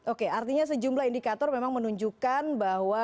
oke artinya sejumlah indikator memang menunjukkan bahwa